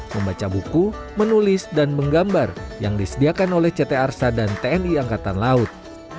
membaca buku menulis dan menggambar yang disediakan oleh ct arsa dan tni angkatan laut